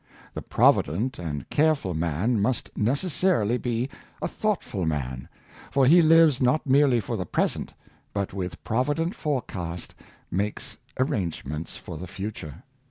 The provident and careful man must necessarily be a thoughtful man, for he lives not merely for the present, but with provident forecast makes arrangements for the future.